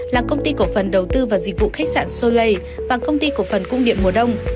là công ty cổ phần đầu tư và dịch vụ khách sạn solei và công ty cổ phần cung điện mùa đông